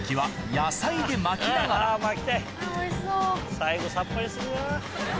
最後さっぱりするな。